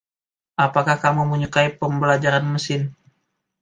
Apakah kamu menyukai Pembelajaran Mesin?